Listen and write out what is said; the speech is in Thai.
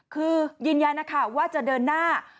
คือยืนยันนะคะว่าจะเดินหน้า